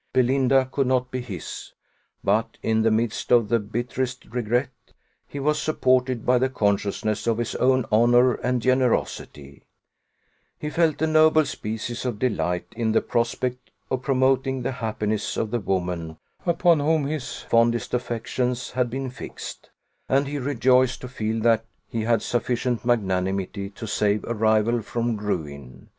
Belinda could not be his; but, in the midst of the bitterest regret, he was supported by the consciousness of his own honour and generosity: he felt a noble species of delight in the prospect of promoting the happiness of the woman upon whom his fondest affections had been fixed; and he rejoiced to feel that he had sufficient magnanimity to save a rival from ruin.